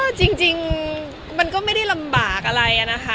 จริงมันก็ไม่ได้ลำบากอะไรนะคะ